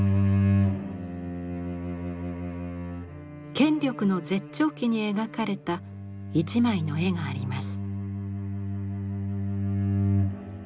権力の絶頂期に描かれた一枚の絵があります。